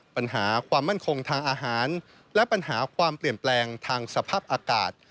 ปัญหาความมั่นคงทางอาหารและปัญหาความเปลี่ยนแปลงทางสภาพอากาศ